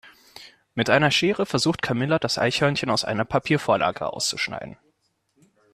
Mit einer Schere versucht Camilla das Eichhörnchen aus der Papiervorlage auszuschneiden.